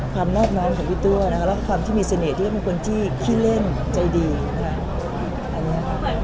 นอบน้อมของพี่ตัวนะคะและความที่มีเสน่ห์ที่จะเป็นคนที่ขี้เล่นใจดีนะคะ